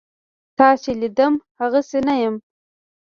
تا چې لیدم هغسې نه یم.